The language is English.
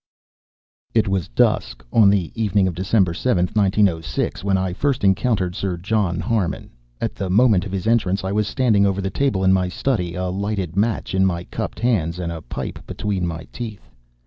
] It was dusk, on the evening of December 7, 1906, when I first encountered Sir John Harmon. At the moment of his entrance I was standing over the table in my study, a lighted match in my cupped hands and a pipe between my teeth.